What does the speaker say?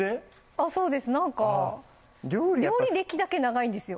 あっそうですなんか料理歴だけ長いんですよ